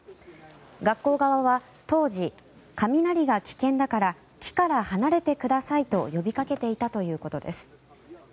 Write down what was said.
学校側は当時、雷が危険だから木から離れてくださいと呼びかけていたということです。